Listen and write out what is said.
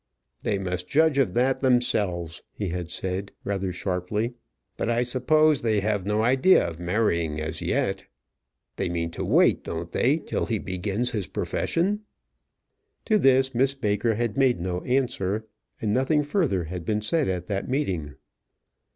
"They must judge of that themselves," he had said, rather sharply. "But I suppose they have no idea of marrying as yet. They mean to wait, don't they, till he begins his profession?" To this Miss Baker had made no answer, and nothing further had been said at that meeting.